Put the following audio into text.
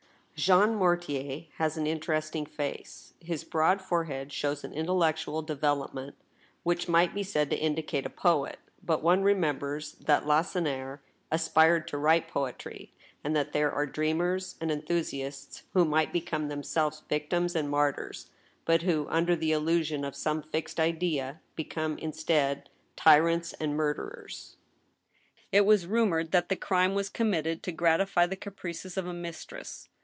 "Jean Mortier has an interesting face. His broad forehead shows an intellectual development, which might be said to indicate a poet ; but one remembers that Lacenaire aspired to write poetry, and that there are dreamers and enthusiasts who might become themselves victims and martyrs, but who, under the illusion of some fixed idea, become instead tyrants and murderers. " He is married, and has a little daughter. It was rumored that the crime was committed to gratify the caprices of a mistress.